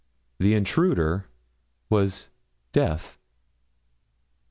The intruder was Death!